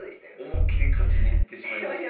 思いっきり勝ちにいってしまいました。